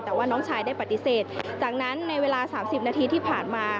แต่ว่าน้องชายได้ปฏิเสธจากนั้นในเวลา๓๐นาทีที่ผ่านมา